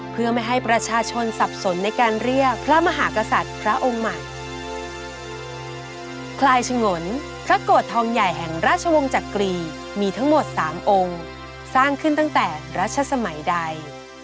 คลายชะงนพระโกศทองใหญ่แห่งราชวงศ์จักรีมีทั้งหมดสามองค์สร้างขึ้นตั้งแต่ราชสมัยใด